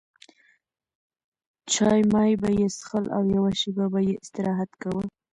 چای مای به یې څښل او یوه شېبه به یې استراحت کاوه.